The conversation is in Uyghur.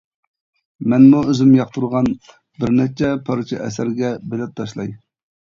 مەنمۇ ئۆزۈم ياقتۇرغان بىر نەچچە پارچە ئەسەرگە بىلەت تاشلاي!